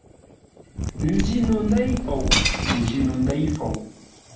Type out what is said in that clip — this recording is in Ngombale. N njîno ndêi fou, n njîno ndêi fou.